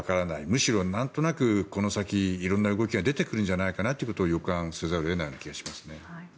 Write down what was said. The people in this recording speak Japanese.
むしろなんとなくこの先色んな動きが出てくるんじゃないかということを予感せざるを得ないような気がしますね。